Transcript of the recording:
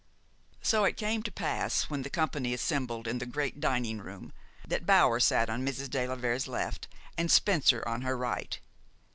So it came to pass, when the company assembled in the great dining room, that Bower sat on Mrs. de la Vere's left, and Spencer on her right.